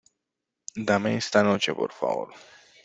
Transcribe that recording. dame esta noche, por favor.